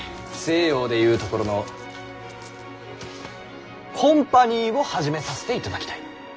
西洋でいうところの「コンパニー」を始めさせていただきたい。